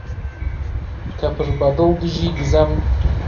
کە پڕبەدڵ دژی گزەم؟!